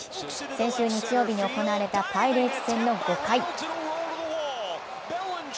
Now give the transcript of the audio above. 先週日曜日に行われたパイレーツ戦の５回。